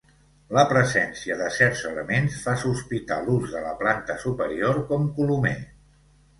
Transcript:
La presència de certs elements fa sospitar l'ús de la planta superior com colomer.